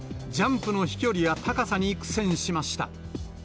ジャンプの飛距離や高さに苦戦しました。